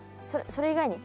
そそれ以外に？